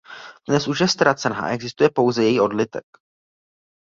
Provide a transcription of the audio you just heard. Dnes už je ztracena a existuje pouze její odlitek.